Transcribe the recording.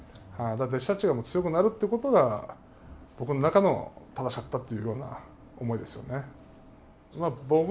弟子たちが強くなるってことが僕の中の正しかったっていうような思いですよね。